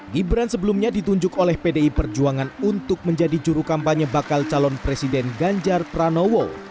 gibran sebelumnya ditunjuk oleh pdi perjuangan untuk menjadi juru kampanye bakal calon presiden ganjar pranowo